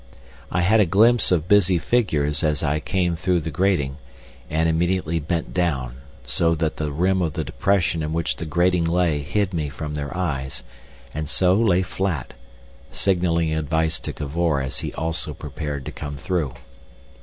I had a glimpse of busy figures as I came through the grating, and immediately bent down, so that the rim of the depression in which the grating lay hid me from their eyes, and so lay flat, signalling advice to Cavor as he also prepared to come through.